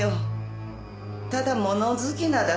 ただ物好きなだけさ。